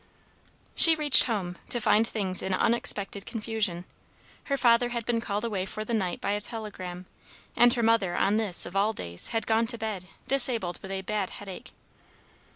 She reached home, to find things in unexpected confusion. Her father had been called away for the night by a telegram, and her mother on this, of all days had gone to bed, disabled with a bad headache.